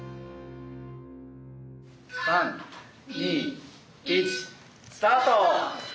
３２１スタート！